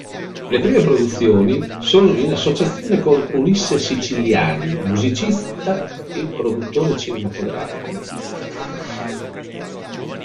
Le prime produzioni sono in associazione con Ulisse Siciliani, musicista e produttore cinematografico.